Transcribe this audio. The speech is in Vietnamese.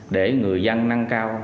để người dân năng cao